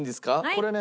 これね